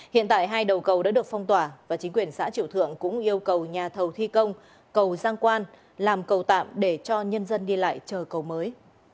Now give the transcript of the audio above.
hiện tại hai đầu cầu đã được phong tỏa và chính quyền xã triệu thượng cũng yêu cầu nhà thầu thi công cầu giang quan làm cầu tạm để cho nhân dân đi lại chờ cầu mới